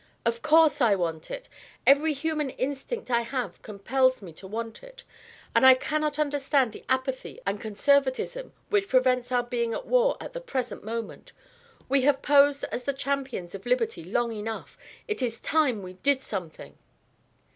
"Of course I want it. Every human instinct I have compels me to want it, and I cannot understand the apathy and conservatism which prevents our being at war at the present moment. We have posed as the champions of liberty long enough; it is time we did something."